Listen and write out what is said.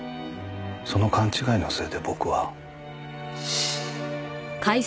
その勘違いのせいで僕は。